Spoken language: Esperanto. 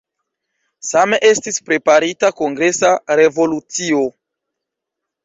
Same estis preparita kongresa rezolucio.